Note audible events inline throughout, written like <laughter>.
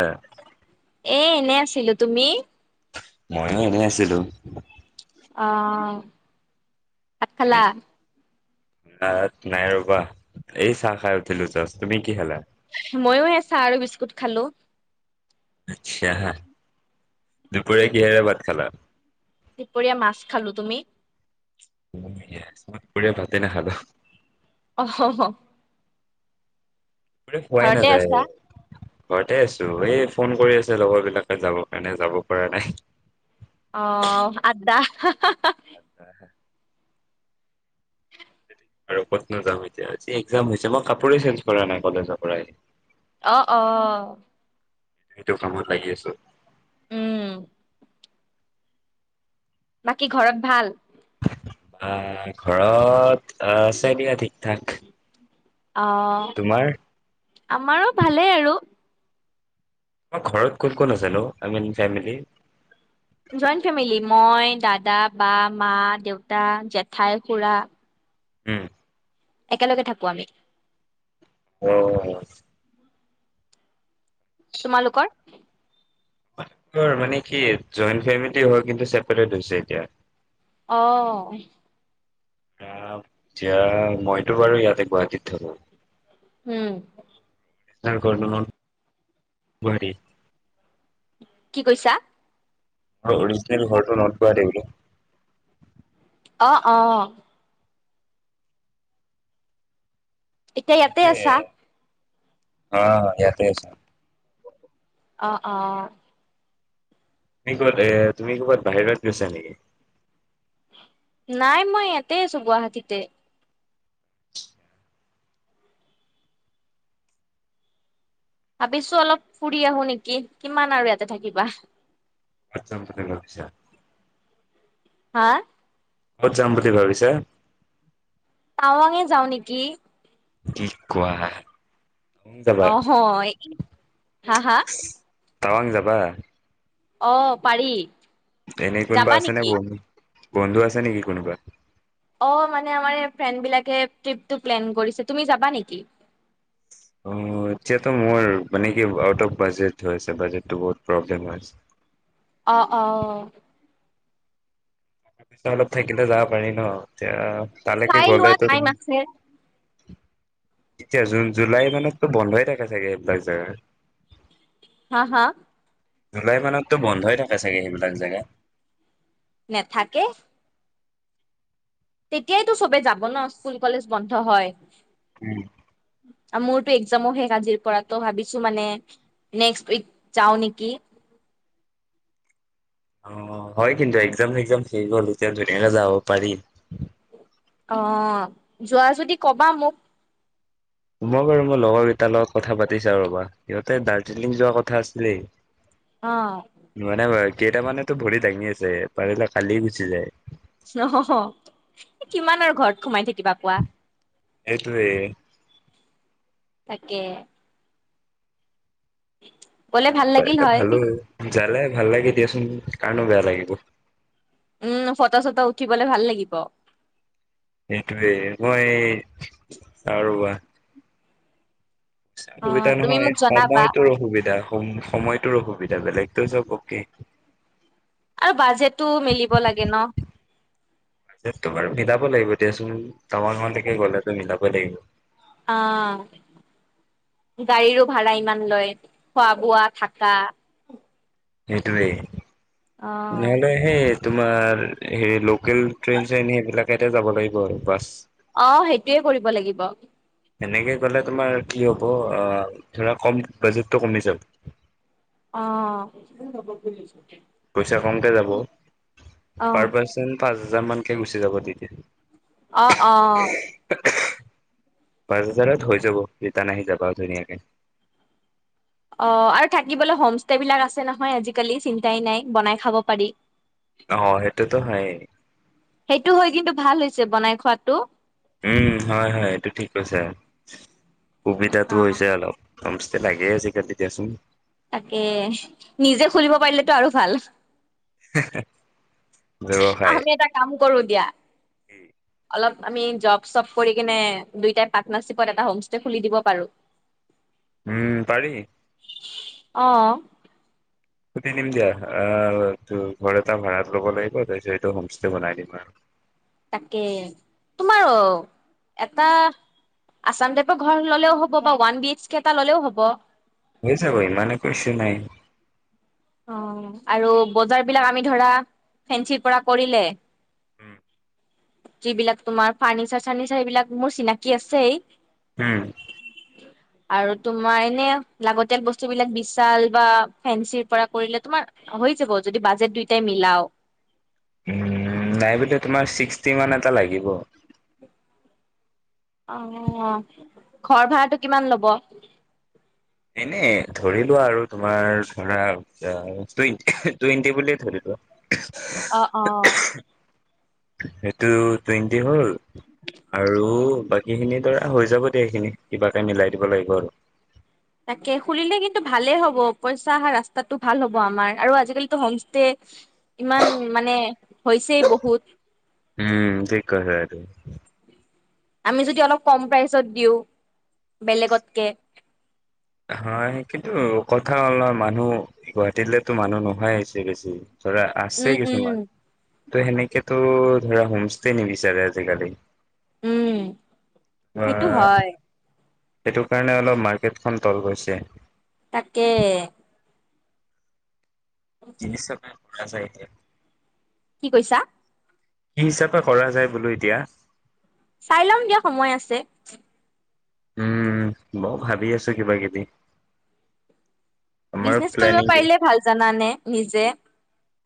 হ এ এনে আছিলো তুমি। ময়ো এনেই আছিলো অঁ ভাত খালা নাই নাই ৰবা এই চাহ খাই উঠিলো যছ তুমি কি খালা ময়ো এ চাহ আৰু বিস্কুট খালো আচ্ছা দুপৰীয়া কিহেৰে ভাত খালা দুপৰীয়া মাছ খালো তুমি। দুপৰীয়াৰ ভাতে নাখালো। অঁ অঁ কো খোৱাই আছা নাযায় ঘৰতে আছো এই ফোন কৰি আছে লগৰ বিলাকে যাব কাৰণে যাব পৰা নাই। অঁ আদ্দা আদা <inaudible> আৰু কত নো যাম এতিয়া আজি এক্জাম হৈছে মই কাপোৰেই চেঞ্জ কৰা নাই কলেজৰ পৰাই অঁ অঁ। সিতো কামত লাগি আছো উম বাকী ঘৰত ভাল বা ঘৰত আঁহ আছে দিয়া ঠিক ঠাক অঁ তোমাৰ আমাৰো ভালেই আৰু। তোমাৰ ঘৰত কোন কোন আছে নো? জইণ্ট ফেমিলি মই দাদা, বা, মা, দেউতা, জেঠাই, খুৰা উম। একেলগে থাকো আমি অঁ। তোমালোকৰ? মানে কি জইণ্ট ফেমিলি হয় কিন্তু ছেপাৰেট হৈছে এতিয়া। অঁ আঁহ য মইতো বাৰু ইয়াতে গুৱাহাটীত থাকো উম। তাৰ ঘৰনো গুৱাহাটীৰ ত কি কৈছা? অৰিজিনেল ঘৰটো নট গুৱাহাটীত বোলো। অঁ অঁ। এতিয়া ইয়াতে আছা, হাঁ ইয়াতেই আছো অঁ অঁ তুমি ক'ত এ তুমি ক'বাত বাহিৰত গৈছা নেকি? নাই মই ইয়াতে আছো গুৱাহাটীতে। <inaudible> ভাবিছো অলপ ফুৰি আহো নেকি কিমান আৰু ইয়াতে থাকিবা। আটচা ইয়াতে ভাবিছা। হাঁ ক যাম বুলি ভাবিছা তাৱাংঙে যাওঁ নেকি? কি কোৱা টাৱাং যাবা আহ হা হা তাৱাং যাবা অ পাৰি এনেই কোন প যাবা আছ নাই নেকি বি বন্ধু আছে নেকি কোনোবা। অ মানেমাৰ ফ্ৰেড বিকেপ্লেন কৰি তুমি যাবা নেকি অ এতিয়াতো মোৰ মানে কি আউট অফ বাজেট হৈছে বাজেটটো বহুত প্ৰব্লেম হৈছে অ অ তাৰপিছত অলপ থাকিলে যাব পাৰি ন তি তালেকেই চাই লোৱা গ'লটো টাইম তুমি আছে এতিয়া জুন জুলাই মানততো বন্ধই থাকে চাগে এইবিলাক জেগা হা হা জুলাই মানততো বন্ধই থাকে চাগে সেইবিলাক জেগা নেথাকে। তেতিয়াইতো চবে যাব ন স্কুল কলেজ বন্ধ হয়। উম এক্সামো শেষ আজিৰ পৰা ত ভাবিছো মানে নেক্সট উইক যাওঁ নেকি অ হয় কিন্তু এক্জাম চ্জাম শেষ হলো তেওঁ ধুনীয়াকে যাব পাৰি অ যোৱা যদি কবা মোক মই বাৰু মোৰ লগৰকেইটাৰ লগত কথা পাতিছা ৰ'বা সিহঁতে দাৰ্জিলিং যোৱাৰ কথা আছিলেই। ম মনে ভ কেইটামানো ভৰি দাঙি আছে পাৰিলে খালি গুচি যায় নহ কিমান আৰু ঘৰত সোমাই থাকি কিবা কোৱা। এইটোৱেই তকে গলে যাব ভাল লাগিল পাৰিলে হয় ভালো হয় জালে ভাল লাগে দিয়াচোন কাৰণো বেয়া লাগিব উম ফটা চটা উঠিবলে ভাল লাগিব। সেইটোৱেই মই আৰুৱা অ অসুবিধা তুমি নহয় মোক জনাবা সময়টোৰ অসুবিধা সময়টোৰ অসুবিধা এ বেলেগটো সব অকে আৰু বাজেটটো মিলিব লাগে ন বাজেটটো বাৰু মিলাব লাগিব এতিয়াচোন টাৱাং লৈকে গ'লেতো মিলাব মিলাব লাগিব অ, গাড়ীৰো ভাড়া ইমান লয়। খোৱা-বোৱা থাকা সেইটোৱেই। অ নহলে সেই তোমাৰ হেৰি লোকেল ট্ৰেইন-চ্ৰেইন সেইবিলাক এতে যাব লাগিব আৰু বাছ অ, সেইটোৱে কৰিব লাগিব। সেনেকে গলে তোমাৰ কি হ'ব। আহ ধৰা কম বাজেটটো কমি যাাব। অ <unintelligible> পইচা কমকে যাব, অ পাৰ পাৰ্চন পাঁচ হাজাৰ মান কেই গুচি যাব তে। অ অ পাঁচ হাজাৰত হৈ যাব। ৰিটাৰ্ণ আহি যাবা ধুনীয়াকে। অ, আৰু থাকিবলৈ হোমষ্টে বিলাক আছে নহয়, আজিকালি চিন্তাই নাই বনাই খাব পাৰি। অহ সেইটোতো হয়ে সেইটো হয় কিন্তু ভাল হৈছে বনাই খোৱাটো। উম, হয় হয়। এইটো ঠিক কৈছে। উবিধাতো অ হৈছে অলপ হম চেলাই গে আছে কাটি দিয়াছোন। তাকে, নিজে খুলিব পাৰিলেতো আৰু ভাল। <unintelligible> আমি এটা কাম কৰো দিয়া। অলপ আমি জব-চব কৰি কিনে দুইটাই পাৰ্টনাৰশ্বিপত এটা হোমষ্টে খুলি দিব পাৰো। উম, পাৰি। অঅ। সুধি দিম দিয়া। আহ ত ঘৰ এটা ভাড়াত ল'ব লাগিব। তাৰপিছত এইটো হোম ষ্টে বনাই দিম আৰু। তাকে, তোমাৰ অ এটা আছাম টাইপৰ ঘৰ ললেও হ'ব বা ওৱান বি এইচ কে এটা ললেও হ'ব। হৈ যাব ইমানে কছো নাই অ আৰু বজাৰ বিলাক আমি ধৰা ফেঞ্চিৰ পৰা কৰিলে যিবিলাক তোমাৰ ফাৰ্নিচাৰ-চাৰ্নিচাৰ সেইবিলাক মোৰ চিনাকি আছেই। হুম। আৰু তোমাৰ এনে লাগতিয়াল বস্তু বিলাক বিছাল বা ফেঞ্চিৰ পৰা কৰিলে তোমাৰ হৈ যাব যদি বাজেট দুইটাই মিলাও। নাই বোলে তোমাৰ ছিক্সটি মান এটা লাগিব। অ, ঘৰ ভাড়াটো কিমান লব? এনে ধৰিলোৱা আৰু তোমাৰ ধৰা টুৱেট টুৱেণ্টি বুলিয়ে ধৰি লোৱা। অ, অ। সেইটো টুৱেণ্টি হ'ল। আৰু বাকীখিনি ধৰা হৈ যাব দিয়া, এইখিনি কিবাকে মিলাই দিব লাগিব আৰু। তাকে খুলিলে কিন্তু ভালেই হ'ব। পইচা অহা ৰাস্তাটো ভাল হ'ব আমাৰ আৰু আজিকালিটো হোমষ্টে ইমান মানে হৈছেই বহুত। উম, ঠিক কৈছা এইটো। আমি যদি অলপ কম প্ৰাইচত দিওঁ বেলেগতকে হা সেই কিন্তু কথা অল মানুহ গুৱাহাটীলেতো মানুহ নহাই হৈছে বেছি। ধৰা আছে উম কিছুমান। উম ত' সেনেকেতো ধৰা হোমষ্টে নিবিচাৰে আজিকালি। উম বা সেইটো হয়। সেইটো কাৰণে অলপ মাৰ্কেটখন তল গৈছে। তকে <unintelligible> কি কৈছা? কি হিচাপে কৰা যায় বোলো এতিয়া? চাই লম দিয়া সময় আছে। উম বই ভাবি আছো কিবা কিবি। আমাৰ বিজনেচ কৰিব প্লেনিং কি পাৰিলে ভাল জানানে নিজে,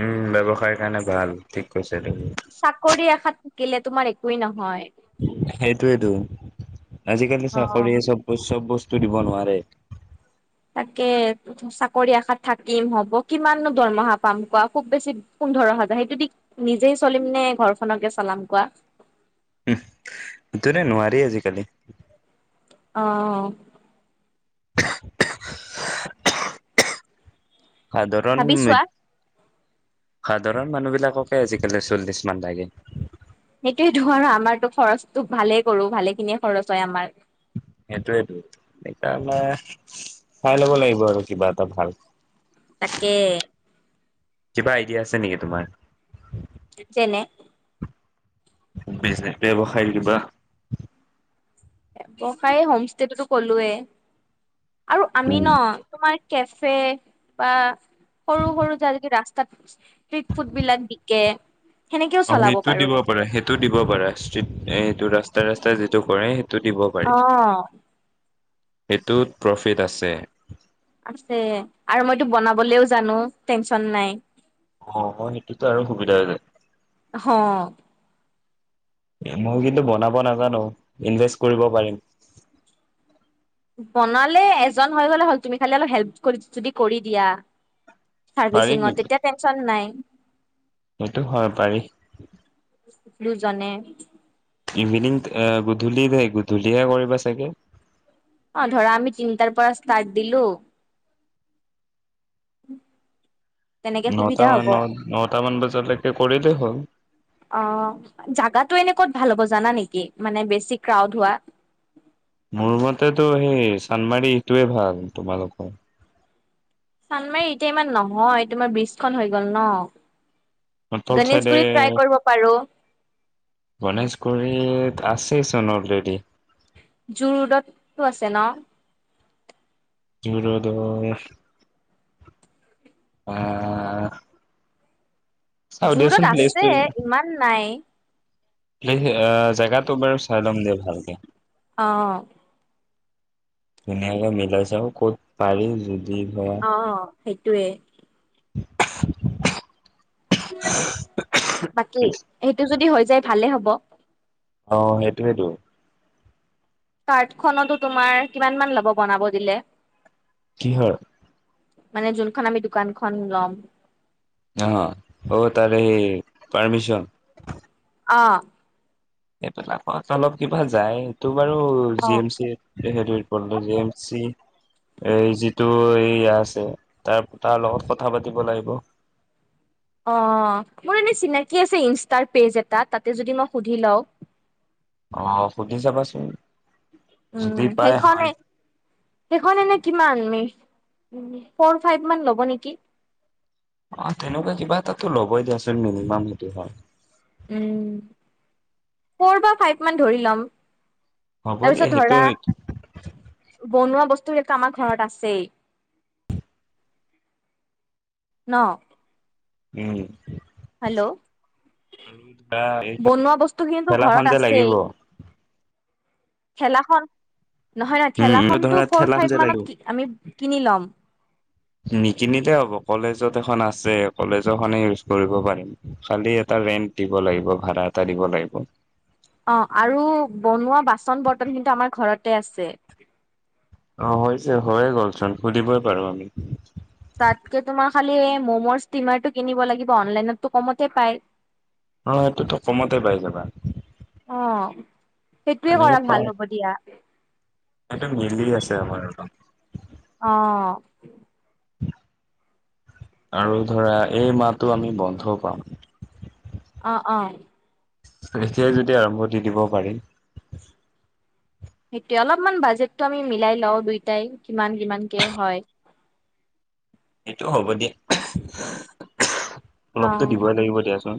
উম ব্যৱসায়ৰ কাৰণে ভাল ঠিক কৈছে তুমি চাকৰি এষাত থাকিলে তোমাৰ একয়ে নহয়। টোৱেইটো আজিকালি অ চাফৰি চব চব বস্তু দিব নোৱাৰে। তাকে চাকৰি আশাত থাকিম হ'ব কিমাননো দৰমহা পাম কোৱা খুব বেছি পোন্ধৰ হাজাৰ সেইটো দি নিজেই চলিম নে ঘৰখনকে চলাম কোৱা? উম, সেইটোৰে নোৱাৰি আজিকালি অ। সাধাৰণ ভাবি চোৱা সাধাৰণ মানুহ বিলাককে আজিকালি চল্লিশ মান লাগে। সেইটোয়েতো আৰু আমাৰতো খৰচো ভালেই কৰো ভালে খিনিয়ে খৰচ হয় আমাৰ। সেইটোয়েতো সেইকাৰণে চাই লব লাগিব আৰু কিবা এটা ভাল। তাকে কিবা আইডিয়া আছে নেকি তোমাৰ? যেনে জনে ব্যৱসায় কিবা? ব্যবসাই হোম ষ্টেটোতো কলোৱেই। আৰু আমি ন তোমাৰ কেফে বা সৰু সৰু য যদি ৰাস্তাত ষ্ট্ৰট ফুড বিলাক বিকে সেনেকেও অ চলাব সেইটো দিব পাৰো সেইটো দিব পাৰো ষ্ট্ৰটটো ৰাস্তা ৰাস্তা যিটো কৰে। অ। এইটোত প্ৰফিট আছে আছে আৰু মইতো বনাবলৈও জানো টেনচন নাই। অ অ সেইটোতো আৰু সুবিধা যায়। হ মই কিন্তু বনাব নাজানো ইনভেষ্ট কৰিব পাৰিম বনালে এজন হৈ গলে হল তুমি খালি অলপ হেল্প কৰি যদি কৰি দিয়া। পাৰি চাৰ্ভিচিঙত কিন্তু তেতিয়া টেনশচন নাই। সেইটো হয় পাৰি। দুজনে ইভিনিং গধূলি গধূলহে কৰিবা চাগে অ ধৰা আমি তিনিটাৰ পৰা ষ্টাৰ্ট দিলো তেনেকে নটা সুবিধা মান হ'ব ন নটামান বজালৈকে কৰিলেই হ'ল <inaudible> অ জাগাটো এনে ক'ত ভাল হ'ব জানা নেকি মানে বেছি ক্ৰাউড হোৱা মোৰ মতেতটো সেই চান্দমাৰী এইটোৱে ভাল তোমালোকৰ চান্দমাৰী এতিয়া ইমান নহয় তোমাৰ ব্ৰীজখন হৈ গ'ল ন টল চাইডে গণেশগুৰিত ট্ৰাই কৰিব পাৰো গণেশগুৰিত আছে <unintelligible> জুৰোডতটো আছে ন জুৰোডত আহ চাও দিয়াচোন জুৰোড আছে ইমান নাই প্লে আহ জেগাতটো বাৰু চাই লম দিয়া ভালকে অ ধুনীয়াকে মিলাই চাও ক'ত পাৰি য অ সে টোৱে বাকী সেইটো যদি হয় যাই ভালে হ'ব অ সেইটোয়েতো কাৰ্ডখনতো তোমাৰ কিমান মান ল'ব বনাব দিলে কিহৰ মানে যোনখন আমি দোকানখন লম অ হ ও তাৰেই হেই পাৰ্মিছন অ এইবিলাকত অলপ কিবা যায় এইটো বাৰু অ জি এম চি সেইটো পল জি এম চি এই যিটো এই আছে তাৰ তাৰ লগত কথা পাতিব লাগিব অ মোৰ এনে চিনাকি আছে ইনষ্টাৰ পেজ এটাত তাতে যদি মই সুধি লওঁ অ সুধি চাবাচোন উম যদি পাই সেইখনে হয় সেইখনে নে কিমান মে ফৰ ফাইভ মান ল'ব নেকি অ তেনেকুৱা কিবা এটাতো ল'বই দিয়াচোন মিনিমাম সেইটো হয় উম ফ'ৰ বা ফাইভ মান ধৰি ল'ম হ'ব দিয়া তাৰপিছত সেইটো ধৰা বনোৱা বস্ত তোৰ <unintelligible> কামা ঘৰত আছেই ন উম হেল্ল' আৰু ধৰা এই বনোৱা বস্তু খিনি টো ঠেলাখন ঘৰত যে লাগিব আছেই ঠৈলাখন নহয় নহয় উম উম ঠেলাখনটো ধৰা ফ'ৰ ঠেলাখন ফাইভ যে লাগিব মানত কি আমি কিনি লম। নিকিনিলে হ'ব কলেজত এখন আছে কলেজখনে ইউজ কৰিব পাৰিম খালি এটা ৰেন্ট দিব লাগিব ভাড়া এটা দিব লাগিব অ আৰু বনোৱা বাচন বৰ্তন কিন্তু আমাৰ ঘৰতে আছে অ হৈছে হৈয়ে গ'লচোন সুধিবই পাৰো আমি। তাতকে তোমাৰ খালি মম' ষ্টিমাৰটো কিনিব লাগিব অনলাইনতো কমতে পায়। অ এইটোতো কমতে পাই যাবা। অ সেইটোয়ে এনেকে কৰা পাই ভাল হ'ব দিয়া। সেইটো মিলি আছে আমাৰ। অ। আৰু ধৰা এই মাহটো আমি বন্ধ পাম। অ অ। এতিয়াই যদি আৰম্ভ দি দিব পাৰি সেইটোয়ে অলপমান বাজেটটো আমি মিলাই লওঁ দুয়টাই কিমান কিমানকে হয়। সেইটো হ'ব দিয়া। <unintelligible> অলপতো দিবই লাগিব দিয়াচোন।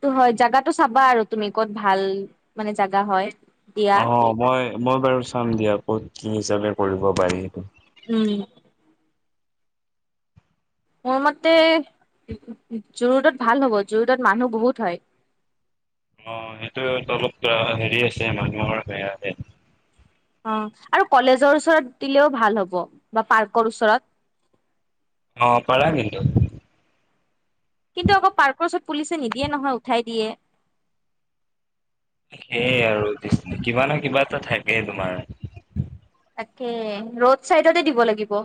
ত হয় জাগাটো চাবা আৰু তুমি ক'ত ভাল, মানে জাগা হয়। দিয়া অ মই মই বাৰু চাম দিয়া ক'ত কি হিচাপে কৰিব পাৰি? উম। মোৰ মতে উ জো ৰোডত ভাল হ'ব জো ৰোডত মানুহ বহুত হয়। অ সেইটো অলপ হেৰি আছে মানুহৰ সেয়া তে। অ আৰু কলেজৰ ওচৰত দিলেও ভাল হ'ব বা পাৰ্কৰ ওচৰত অ পাৰা কিন্তু। কিন্তু আকৌ পাৰ্কৰ ওচৰত পুলিচে নিদিয়ে নহয় উঠাই দিয়ে। সেই আৰু কিবা নহয় কিবা এটা থাকেই তোমাৰ। তাকে ৰ'দ চাইডতে দিব লাগিব।